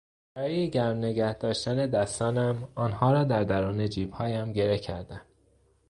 برای گرم نگهداشتن دستانم، آنها را در درون جیبهایم گره کردم.